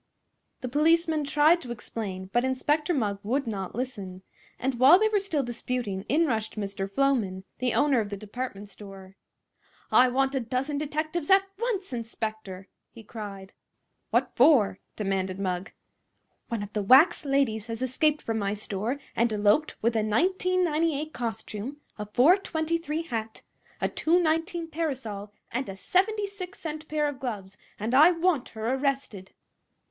The policemen tried to explain, but Inspector Mugg would not listen; and while they were still disputing in rushed Mr. Floman, the owner of the department store. "I want a dozen detectives, at once, inspector!" he cried. "What for?" demanded Mugg. "One of the wax ladies has escaped from my store and eloped with a $19.98 costume, a $4.23 hat, a $2.19 parasol and a 76 cent pair of gloves, and I want her arrested!"